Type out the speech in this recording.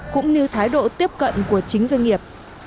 cũng như thái độ tiếp cận của chính doanh nghiệp